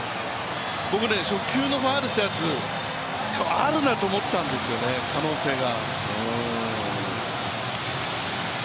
僕ね、初球のファウルしたやつあるなと思ったんですよね、可能性が。